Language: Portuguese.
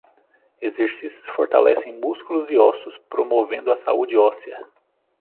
Exercícios fortalecem músculos e ossos, promovendo a saúde óssea.